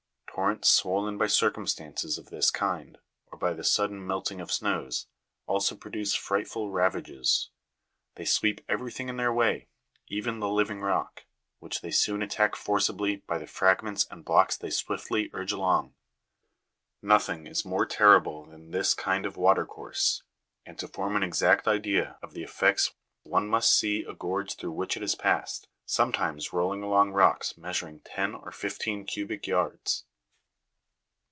Torrents swollen by circumstances of this kind, or by the sudden melting of snows, also produce frightful ravages; they sweep everything in their way, even the living rock, which they soon attack forcibly by the fragments and blocks they swiftly urge along. Nothing is more terrible than this kind of water course, and to form an exact idea of the effects one must see a gorge through which it has passed, sometimes rolling along rocks measuring ten or fifteen cubic yards.